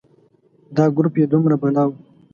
دا ګروپ یې دومره بلا و.